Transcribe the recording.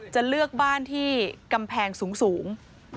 จะเลือกบ้านที่กำแพงสูง